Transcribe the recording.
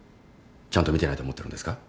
ちゃんと見てないと思ってるんですか？